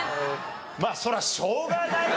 まあそりゃしょうがないわな。